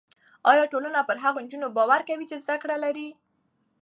ایا ټولنه پر هغو نجونو باور کوي چې زده کړه لري؟